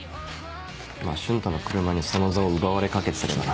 まぁ瞬太の車にその座を奪われかけてたけどな。